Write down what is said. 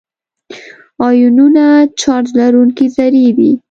آیونونه چارج لرونکي ذرې دي.